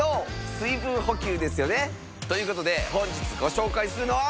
水分補給ですよね。ということで本日ご紹介するのは。